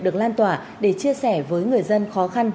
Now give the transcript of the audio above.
được lan tỏa để chia sẻ với người dân khó khăn